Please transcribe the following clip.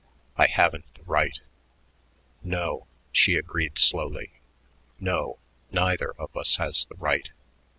I haven't the right." "No," she agreed slowly; "no, neither of us has the right.